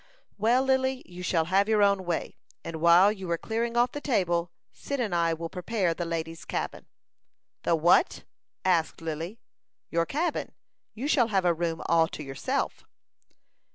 "Well, Lily, you shall have your own way; and while you are clearing off the table, Cyd and I will prepare the lady's cabin." "The what?" asked Lily. "Your cabin; you shall have a room all to yourself."